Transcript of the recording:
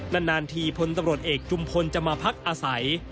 นานทีพลตำรวจเอกจุมพลจะมาพักอาศัย